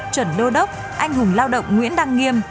chuẩn đô đốc anh hùng lao động nguyễn đăng nghiêm